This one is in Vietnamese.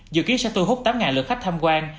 dự kiến sẽ thu hút tám lượt khách tham quan